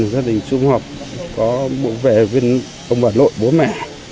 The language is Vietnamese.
gia đình xung hợp có bộ vệ viên ông bà nội bố mẹ